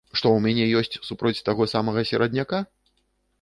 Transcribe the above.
Што ў мяне ёсць супроць таго самага серадняка?